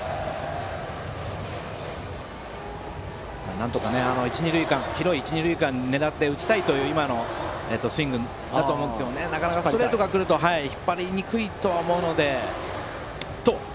なんとか広い一、二塁間を狙って打ちたいという今のスイングだったと思いますがストレートが来ると引っ張りにくいと思うので。